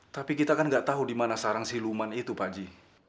tapi kita kan gak tahu dimana sarang si luman itu pakji